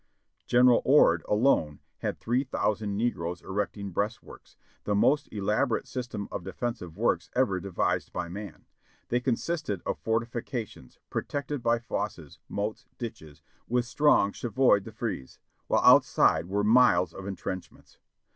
General Ord alone had three thousand negroes erecting breastworks, the most elaborate system of defensive works ever devised by man ; they consisted of fortifications, protected by fosses, moats, ditches, with strong chevaiix de frise, while outside were miles of entrenchments.